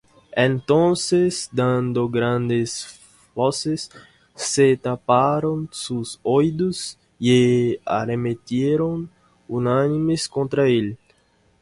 Entonces dando grandes voces, se taparon sus oídos, y arremetieron unánimes contra él;